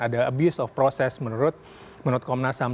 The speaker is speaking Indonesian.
ada abuse of process menurut komnasam